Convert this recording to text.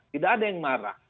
tidak ada yang marah